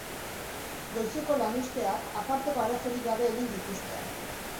Goizeko lanuzteak aparteko arazorik gabe egin dituzte.